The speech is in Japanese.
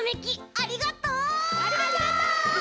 ありがとう！